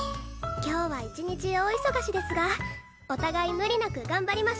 今日は一日大忙しですがお互い無理なく頑張りましょうね！